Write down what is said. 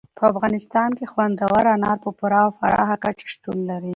په افغانستان کې خوندور انار په پوره او پراخه کچه شتون لري.